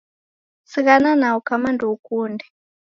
Sighana nao kama ndeukunde.